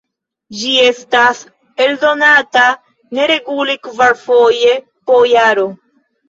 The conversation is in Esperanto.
Ĝi estas eldonata neregule kvarfoje po jaro.